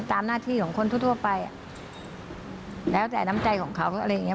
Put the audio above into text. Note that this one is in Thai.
ตามหน้าที่ของคนทั่วไปอ่ะแล้วแต่น้ำใจของเขาอะไรอย่างเง